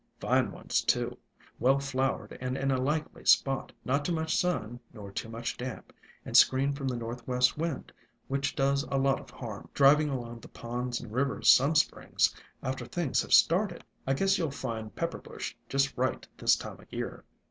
"Fine ones, too, well flowered and in a likely spot, not too much sun nor too much damp, and screened from the northwest wind, which does a lot of harm, driv ing along the ponds and rivers some Springs, after things have started. I ALONG THE WATERWAYS guess you '11 find Pepper bush just right this time 'o year."